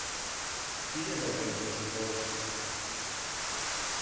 Quin és el teu pressupost?